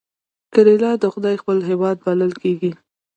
کیرالا د خدای خپل هیواد بلل کیږي.